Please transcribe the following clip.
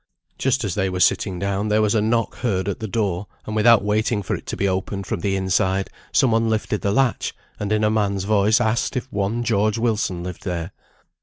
Just as they were sitting down, there was a knock heard at the door, and without waiting for it to be opened from the inside, some one lifted the latch, and in a man's voice asked, if one George Wilson lived there?